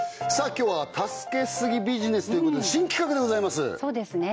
今日は助けすぎビジネスということで新企画でございますそうですね